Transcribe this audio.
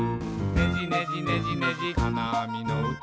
「ねじねじねじねじかなあみのうた」